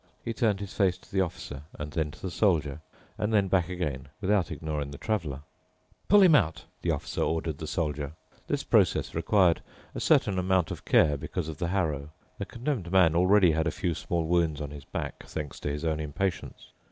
He turned his face to the Officer and then to the Soldier and then back again, without ignoring the Traveler. "Pull him out," the Officer ordered the Soldier. This process required a certain amount of care because of the harrow. The Condemned Man already had a few small wounds on his back, thanks to his own impatience.